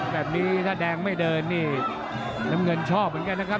แบบนี้ถ้าแดงไม่เดินนี่น้ำเงินชอบเหมือนกันนะครับ